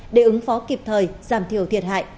để ứng phó kịp thời giảm thiểu thiệt hại